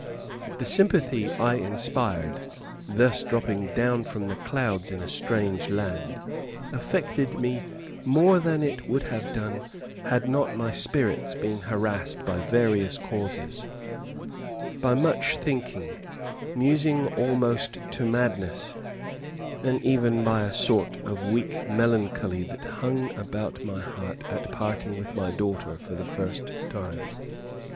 The sympathy I inspired, thus dropping down from the clouds in a strange land, affected me more than it would have done had not my spirits been harassed by various causes by much thinking musing almost to madness and even by a sort of weak melancholy that hung about my heart at parting with my daughter for the first time.